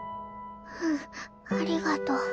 うんありがとう。